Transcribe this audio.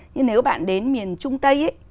nhưng nếu bạn đến miền trung tây ấy